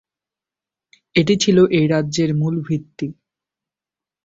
এটি ছিল এই রাজ্যের মূল ভিত্তি।